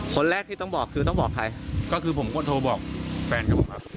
คนแรกที่ต้องบอกคือต้องบอกใครก็คือผมควรโทรบอกแฟนเขาครับ